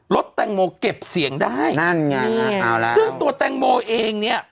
แตงโมเก็บเสียงได้นั่นไงเอาล่ะซึ่งตัวแตงโมเองเนี่ย